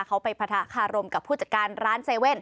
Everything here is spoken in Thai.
เขาไปพัทธาคารมกับผู้จัดการร้านเซเว่น